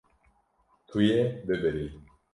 Tu yê bibirî.